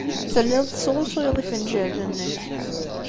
Telliḍ tesɣusuyeḍ ifenjalen-nnek.